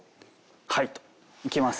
「はい」と「行きます」